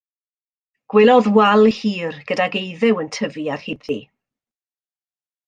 Gwelodd wal hir, gydag eiddew yn tyfu ar hyd-ddi.